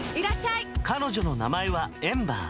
彼女の名前はエンバー。